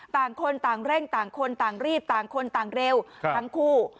ต่างคนต่างเร่งต่างคนต่างรีบต่างคนต่างเร็วทั้งคู่